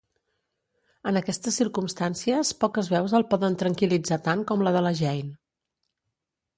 En aquestes circumstàncies poques veus el poden tranquil·litzar tant com la de la Jane.